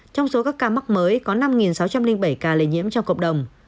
trong số các ca mắc mới có năm sáu trăm linh bảy ca lây nhiễm trong cộng đồng